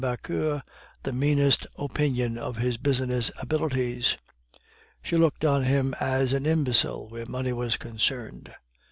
Vauquer the meanest opinion of his business abilities; she looked on him as an imbecile where money was concerned.